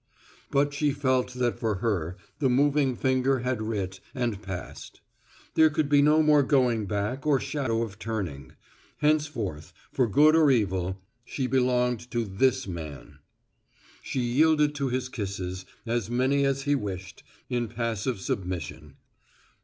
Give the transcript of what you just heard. But she felt that for her the moving finger had writ and passed. There could be no more going back or shadow of turning. Henceforth, for good or evil, she belonged to this man. She yielded to his kisses, as many as he wished, in passive submission.